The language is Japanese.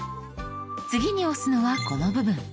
次に押すのはこの部分。